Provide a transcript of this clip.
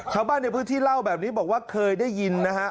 ชาวบ้านในพื้นที่เล่าแบบนี้บอกว่าเคยได้ยินนะฮะ